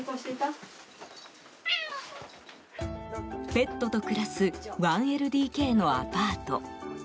ペットと暮らす１ＬＤＫのアパート。